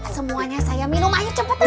semuanya saya minum ayo cepetan